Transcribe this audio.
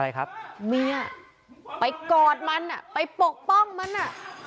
อะไรครับเมียไปกอดมันอ่ะไปปกป้องมันอ่ะ